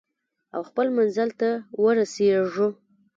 او خپل منزل ته ورسیږو.